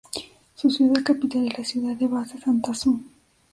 Su ciudad capital es la ciudad de Basse Santa Su.